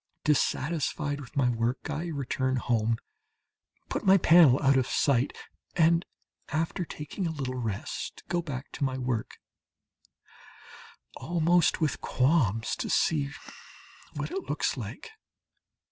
Dissatisfied with my work I return home, put my panel out of sight, and after taking a little rest, go back to my work, almost with qualms to see what it looks like.